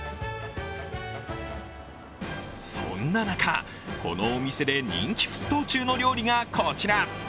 そんな中、このお店で人気沸騰中の料理がこちら。